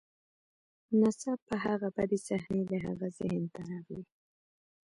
ناڅاپه هغه بدې صحنې د هغه ذهن ته راغلې